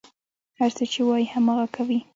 هر څه چې وايي، هماغه کوي.